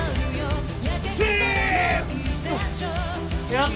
やっ